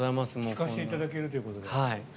聞かせていただけるということで。